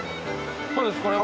そうですこれはもう。